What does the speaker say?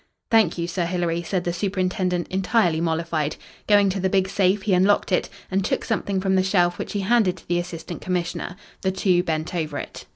"Thank you, Sir Hilary," said the superintendent, entirely mollified. Going to the big safe he unlocked it and took something from the shelf which he handed to the Assistant Commissioner. The two bent over it.